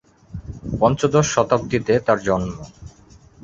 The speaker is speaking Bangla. পঞ্চদশ শতাব্দীতে তাঁর জন্ম।